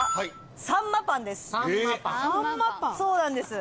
そうなんです。